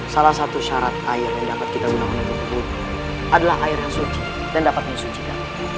salah satu syarat air yang dapat kita gunakan untuk kebun adalah air yang suci dan dapat mensucikan